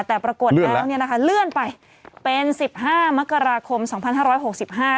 แต่ปรากฏแล้วเนี่ยนะคะเลื่อนไปเป็นสิบห้ามกราคมสองพันห้าร้อยหกสิบห้า